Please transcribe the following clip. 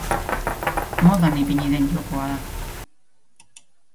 Modan ipini den jokoa da.